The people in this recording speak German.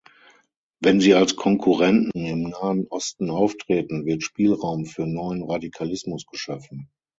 Wenn sie als Konkurrenten im Nahen Osten auftreten, wird Spielraum für neuen Radikalismus geschaffen.